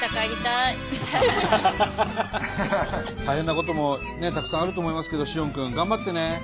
大変なこともたくさんあると思いますけど詩音君頑張ってね。